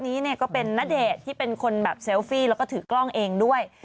นี้เนี่ยก็เป็นณเดชน์ที่เป็นคนแบบเซลฟี่แล้วก็ถือกล้องเองด้วย